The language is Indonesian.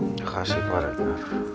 makasih pak regar